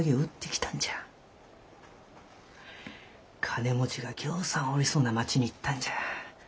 金持ちがぎょうさんおりそうな町に行ったんじゃ。